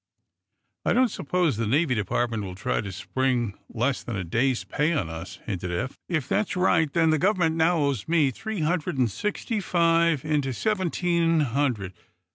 "I don't suppose the Navy Department will try to spring less than a day's pay on us," hinted Eph. "If that's right, then the government now owes me three hundred and sixty five into seventeen hundred.